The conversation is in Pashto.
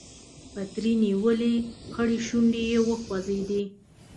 پتري نيولې خړې شونډې يې وخوځېدې.